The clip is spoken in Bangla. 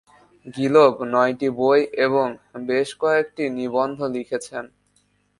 গিলব নয়টি বই এবং বেশ কয়েকটি নিবন্ধ লিখেছেন।